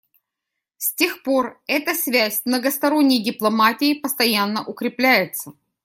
С тех пор эта связь с многосторонней дипломатией постоянно укрепляется.